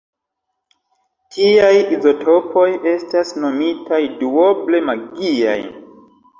Tiaj izotopoj estas nomitaj "duoble magiaj".